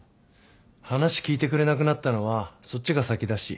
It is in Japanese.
話聞いてくれなくなったのはそっちが先だし。